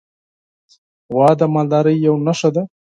غوا د مالدارۍ یوه نښه ده.